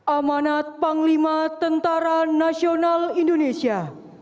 amanat panglima tentara nasional indonesia